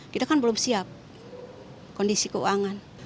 kita kan belum siap kondisi keuangan